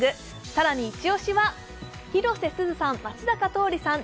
更にイチオシは、広瀬すずさん、松坂桃李さん